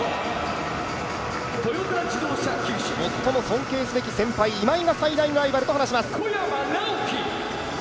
最も尊敬すべき先輩、今井が最大のライバルと話します。